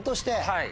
はい。